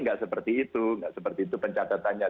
nggak seperti itu pencatatannya